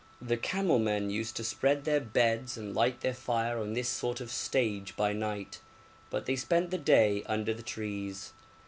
The camel men used to spread their beds and light their fire on this sort of stage by night, but they spent the day under the trees.